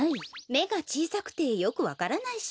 めがちいさくてよくわからないし。